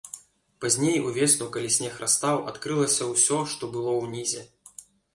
Пазней, увесну, калі снег растаў, адкрылася ўсё, што было ўнізе.